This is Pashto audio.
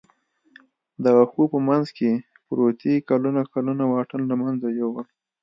د وښو په منځ کې پروتې کلونه کلونه واټن له منځه یووړ.